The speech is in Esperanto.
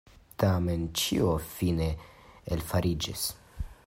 Tamen ĉio fine elfariĝis.